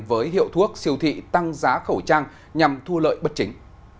với hiệu thuốc siêu thị tăng giá khẩu trang nhằm thu lợi bất chính